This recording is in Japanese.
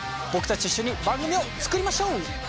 僕たちと一緒に番組を作りましょう！